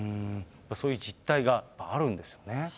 そういう実態があるんですね。